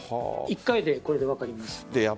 １回で、これで分かります。